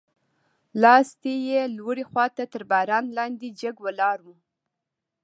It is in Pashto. لاستي یې لوړې خواته تر باران لاندې جګ ولاړ و.